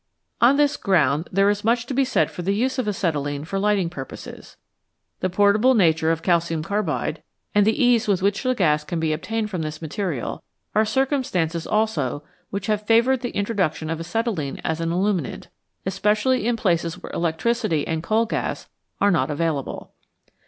On this ground there is much to be said for the use of acetylene for lighting purposes. The portable nature of calcium carbide, and the ease with which the gas can be obtained from this material, are circumstances also which have favoured the introduction of acetylene as an illuminant, especially in places where electricity and coal gas are not available.